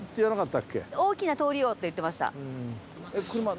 大きな通りをって言ってました。